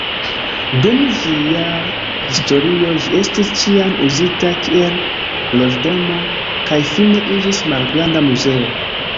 Dum ĝia historio ĝi estis ĉiam uzita kiel loĝdomo kaj fine iĝis malgranda muzeo.